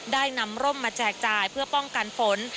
ได้นำร่มมาแจกจ่ายเพื่อป้องกันฝน